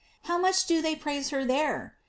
How much do they praise her there !